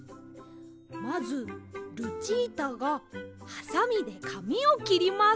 まずルチータがハサミでかみをきります。